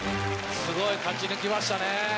すごい勝ち抜きましたね。